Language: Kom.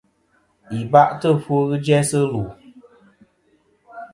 Yi ba'tɨ ɨfwo ghɨ jæsɨ lu.